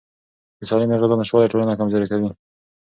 د سالمې غذا نشتوالی ټولنه کمزوري کوي.